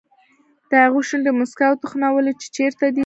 د هغه شونډې موسکا وتخنولې چې چېرته دی.